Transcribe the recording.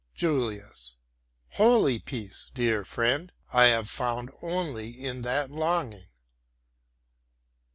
JULIUS Holy peace, dear friend, I have found only in that longing.